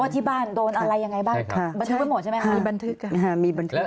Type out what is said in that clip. ว่าที่บ้านโดนอะไรยังไงบ้างบันทึกเอาไว้หมดใช่ไหมคะมีบันทึก